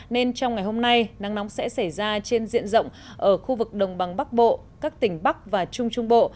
nên trong ngày hôm nay nắng nóng sẽ xảy ra trên diện rộng ở khu vực đồng bằng bắc bộ các tỉnh bắc và trung trung bộ